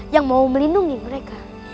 yang mau melindungi mereka